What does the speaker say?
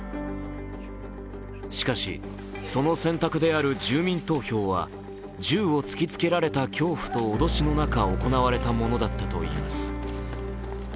しかし、その選択である住民投票は銃を突きつけられた恐怖と脅しの中、行われたものだったといいます。